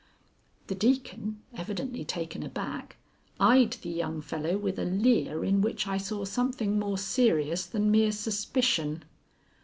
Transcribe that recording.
The Deacon, evidently taken aback, eyed the young fellow with a leer in which I saw something more serious than mere suspicion.